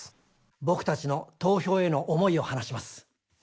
僕たちの投票への思いを話します。